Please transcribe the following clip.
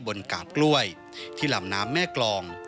กาบกล้วยที่ลำน้ำแม่กรอง